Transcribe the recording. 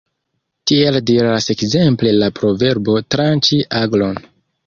Tiel diras ekzemple la proverbo 'tranĉi aglon'.